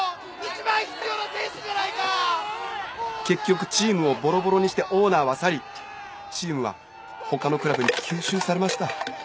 結局チームをぼろぼろにしてオーナーは去りチームは他のクラブに吸収されました。